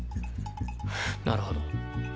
なるほど。